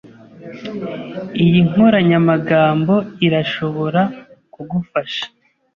Iyi nkoranyamagambo irashobora kugufasha.